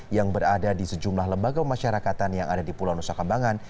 yang berada di sejumlah lembaga pemasyarakatan yang ada di pulau nusa kambangan